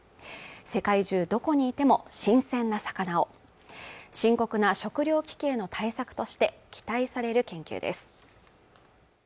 世界中どこにいても新鮮な魚を深刻な食糧危機への対策として期待される研究です